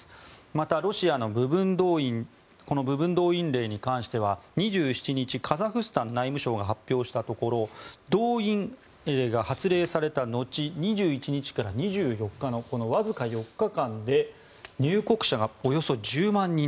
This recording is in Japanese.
またロシアの部分動員令に関しては２７日カザフスタン内務省が発表したところ動員令が発令された後２１日から２４日のわずか４日間で入国者がおよそ１０万人。